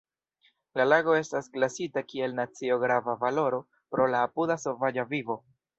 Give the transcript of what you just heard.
La lago estas klasita kiel nacio-grava valoro pro la apuda sovaĝa vivo.